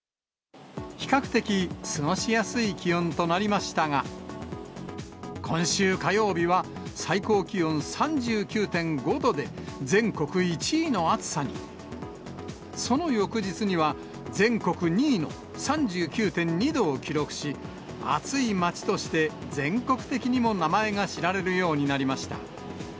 比較的過ごしやすい気温となりましたが、今週火曜日は最高気温３９．５度で、全国１位の暑さに。その翌日には、全国２位の３９．２度を記録し、暑い街として全国的にも名前が知られるようになりました。